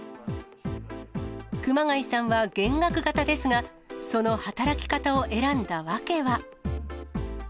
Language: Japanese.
熊谷さんは減額型ですが、その働き方を選んだ訳は。